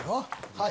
はい！